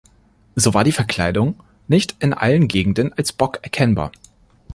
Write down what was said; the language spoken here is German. So war die Verkleidung nicht in allen Gegenden als Bock erkennbar.